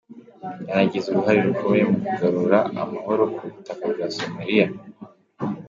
Yanagize uruhare rukomeye mu kugarura amahoro ku butaka bwa Somalia.